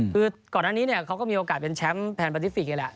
คือก่อนอันนี้เนี่ยเขาก็มีโอกาสเป็นแชมป์แพนปาติฟิกนี่แหละ